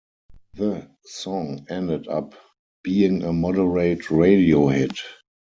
The song ended up being a moderate radio hit.